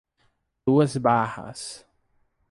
Duas Barras